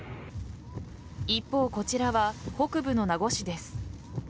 一方、こちらは北部の名護市です。